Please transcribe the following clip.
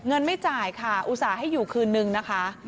ไม่จ่ายค่ะอุตส่าห์ให้อยู่คืนนึงนะคะ